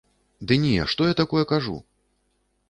Ды не, што я такое кажу!